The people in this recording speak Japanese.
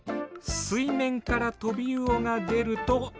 水面からトビウオが出ると。